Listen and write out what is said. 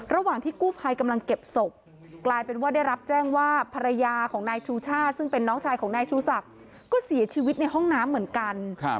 ระหว่างที่กู้ภัยกำลังเก็บศพกลายเป็นว่าได้รับแจ้งว่าภรรยาของนายชูชาติซึ่งเป็นน้องชายของนายชูศักดิ์ก็เสียชีวิตในห้องน้ำเหมือนกัน